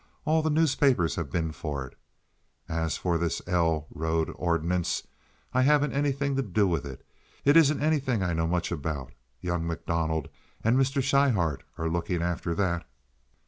All the newspapers have been for it. As for this 'L' road ordinance, I haven't anything to do with it. It isn't anything I know much about. Young MacDonald and Mr. Schryhart are looking after that."